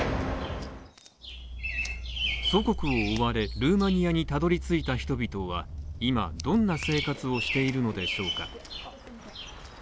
祖国を追われルーマニアにたどりついた人々は今、どんな生活をしているのでしょうか？